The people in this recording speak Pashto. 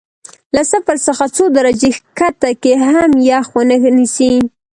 له صفر څخه څو درجې ښکته کې هم یخ ونه نیسي.